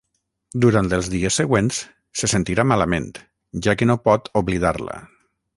Durant els dies següents, se sentirà malament, ja que no pot oblidar-la.